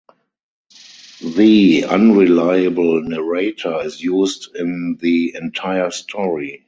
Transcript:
The unreliable narrator is used in the entire story.